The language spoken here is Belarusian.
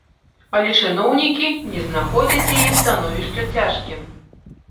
Але чыноўнікі не знаходзяць яе становішча цяжкім.